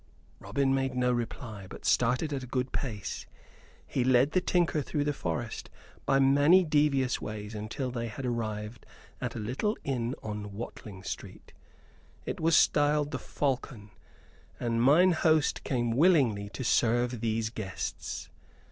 Robin made no reply, but started at a good pace. He led the tinker through the forest by many devious ways until they had arrived at a little inn on Watling Street. It was styled the "Falcon," and mine host came willingly to serve these guests.